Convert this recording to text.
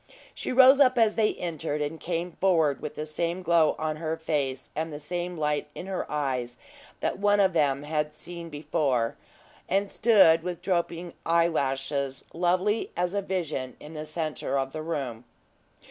She rose up as they entered, and came forward with the same glow on her face and the same light in her eyes that one of them had seen before, and stood with drooping eyelashes, lovely as a vision in the centre of the room.